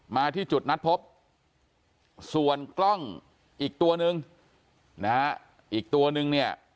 มาที่จุดนัดพบส่วนกล้องอีกตัวนึงนะฮะอีกตัวนึงเนี่ย